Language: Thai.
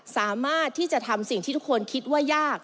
สามารถที่จะทำสิ่งที่ทุกคนคิดว่ายาก